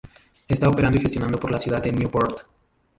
Está operado y gestionado por la ciudad de Newport.